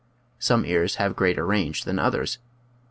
Some ears have greater range than others.